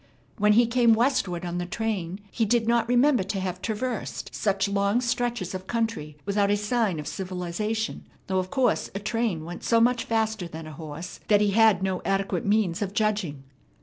When he came westward on the train he did not remember to have traversed such long stretches of country without a sign of civilization, though of course a train went so much faster than a horse that he had no adequate means of judging.